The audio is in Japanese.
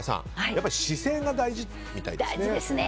やっぱり姿勢が大事みたいですね。